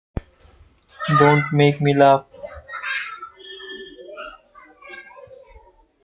Don't Make Me Laugh!